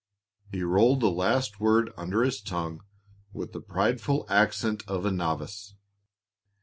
He rolled the last word under his tongue with the prideful accent of a novice.